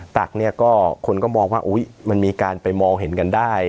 ตักเนี่ยก็คนก็มองว่ามันมีการไปมองเห็นกันได้